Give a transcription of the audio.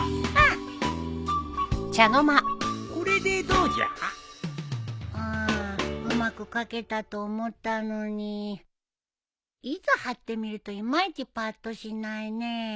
うまく描けたと思ったのにいざ貼ってみるといまいちパッとしないねえ。